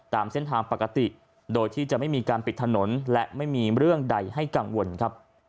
ตามเส้นทางปกติโดยที่จะไม่มีการปิดถนนและไม่มีเรื่องใดให้กังวลครับ